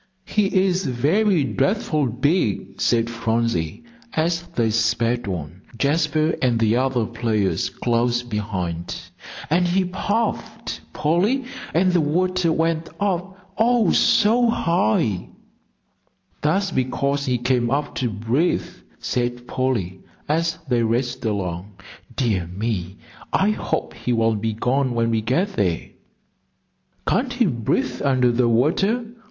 "He is very dreadful big," said Phronsie, as they sped on, Jasper and the other players close behind. "And he puffed, Polly, and the water went up, oh, so high!" "That's because he came up to breathe," said Polly, as they raced along. "Dear me, I hope he won't be gone when we get there." "Can't he breathe under the water?"